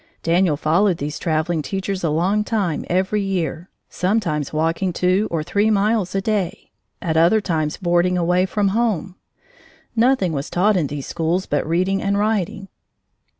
Daniel followed these traveling teachers a long time every year, sometimes walking two or three miles a day, at other times boarding away from home. Nothing was taught in these schools but reading and writing.